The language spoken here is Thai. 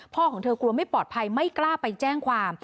ของเธอกลัวไม่ปลอดภัยไม่กล้าไปแจ้งความ